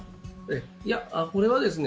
いやこれはですね